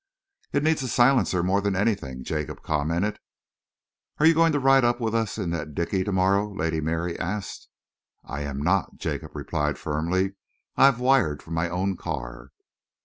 "It needs a silencer more than anything," Jacob commented. "Are you going to ride up with us in the dickey to morrow?" Lady Mary asked. "I am not," Jacob replied firmly. "I have wired for my own car."